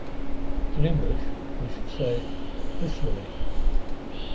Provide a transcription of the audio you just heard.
In English, we should say 'literally'.